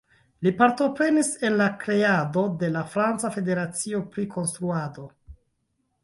Li partoprenis en la kreado de la franca Federacio pri Konstruado.